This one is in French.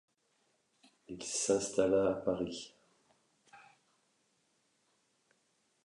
Il s'installa à Paris.